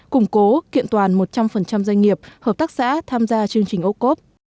củng cố kiện toàn một trăm linh doanh nghiệp hợp tác xã tham gia chương trình ô cốp